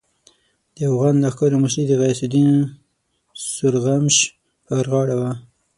د اوغان لښکرو مشري د غیاث الدین سورغمش پر غاړه ده.